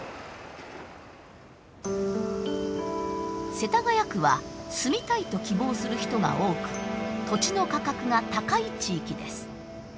世田谷区は住みたいと希望する人が多く土地の価格が高い地域です。